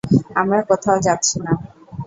আমরা কোথাও যাচ্ছি না!